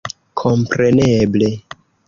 Kompreneble.